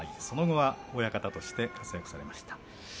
その後は親方として活躍されました。